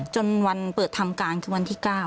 จนวันเปิดทำการคือวันที่๙